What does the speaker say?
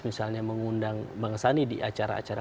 misalnya mengundang bang sandi di acara acara